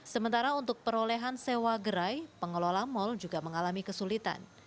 sementara untuk perolehan sewa gerai pengelola mal juga mengalami kesulitan